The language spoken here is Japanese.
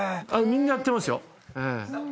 みんなやってますよ。